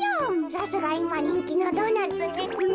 さすがいまにんきのドーナツね。